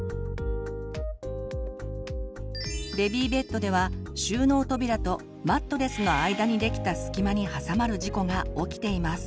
ベビーベッドでは収納扉とマットレスの間にできた隙間に挟まる事故が起きています。